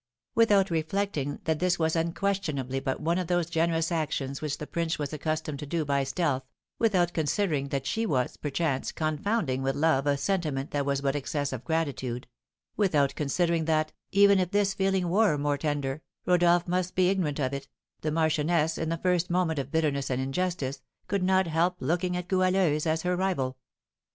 Without reflecting that this was unquestionably but one of those generous actions which the prince was accustomed to do by stealth, without considering that she was, perchance, confounding with love a sentiment that was but excess of gratitude, without considering that, even if this feeling were more tender, Rodolph must be ignorant of it, the marchioness, in the first moment of bitterness and injustice, could not help looking on Goualeuse as her rival.